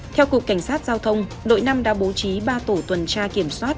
theo cục cảnh sát giao thông đội năm đã bố trí ba tổ tuần tra kiểm soát